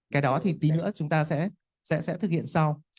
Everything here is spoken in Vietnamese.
cái đó thì tí nữa chúng ta sẽ thực hiện sau